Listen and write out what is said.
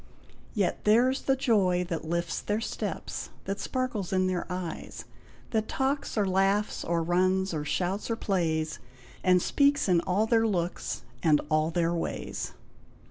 Yet theirs the joy That lifts their steps, that sparkles in their eyes; That talks or laughs, or runs, or shouts, or plays, And speaks in all their looks, and all their ways.